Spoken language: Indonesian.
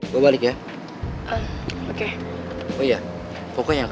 gue balik ya oke oh iya pokoknya kalau udah apa apa jangan sungkan cerita sama gue